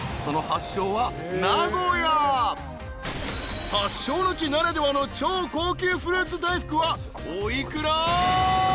［発祥の地ならではの超高級フルーツ大福はお幾ら？］